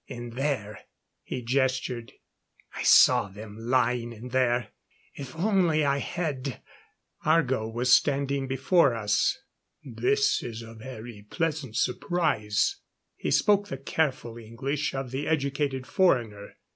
In there " He gestured. "I saw them lying in there. If only I had " Argo was standing before us. "This is a very pleasant surprise " He spoke the careful English of the educated foreigner.